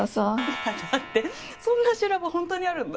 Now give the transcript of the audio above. いやだってそんな修羅場ほんとにあるんだ。